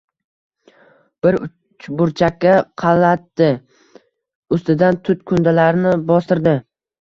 Bir burchakka qalatdi. Ustidan tut kundalarini bostirdi.